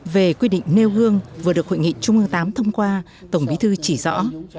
về quy định nêu gương vừa được hội nghị trung ương viii thông qua tổng bí thư chỉ rõ